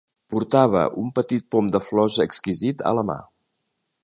Portava un petit pom de flors exquisit a la mà.